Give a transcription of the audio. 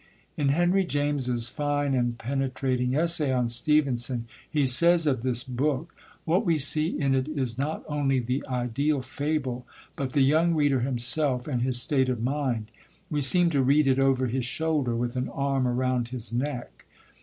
In Henry James's fine and penetrating essay on Stevenson, he says of this book, "What we see in it is not only the ideal fable, but the young reader himself and his state of mind: we seem to read it over his shoulder, with an arm around his neck."